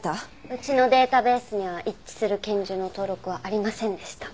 うちのデータベースには一致する拳銃の登録はありませんでした。